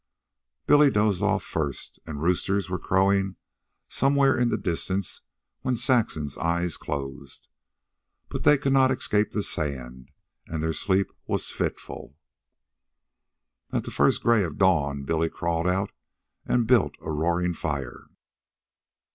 Billy dozed off first, and roosters were crowing somewhere in the distance when Saxon's eyes closed. But they could not escape the sand, and their sleep was fitful. At the first gray of dawn, Billy crawled out and built a roaring fire.